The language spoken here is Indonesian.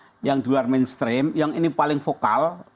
pengaruh luar yang luar mainstream yang ini paling vokal